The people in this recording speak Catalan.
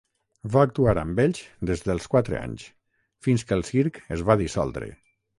Va actuar amb ells des dels quatre anys, fins que el circ es va dissoldre.